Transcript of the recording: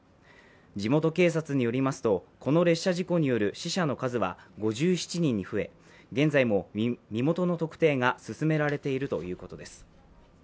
地元警察によりますとこの列車事故による死者の数は５７人に増え現在も身元の特定が進められているということです。